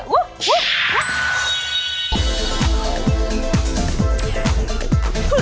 วู้วู้